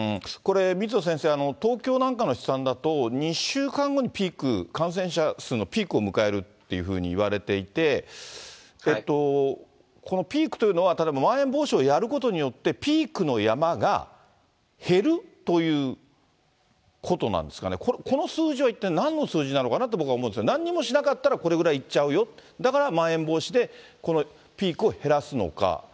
これ、水野先生、東京なんかの試算だと、２週間後にピーク、感染者数のピークを迎えるっていうふうに言われていて、このピークというのは、例えばまん延防止をやることによって、ピークの山が減るということなんですかね、この数字は一体なんの数字なのかなと僕は思うんですが、なんにもしなかったらこれぐらいいっちゃうよ、だからまん延防止でこのピークを減らすのか。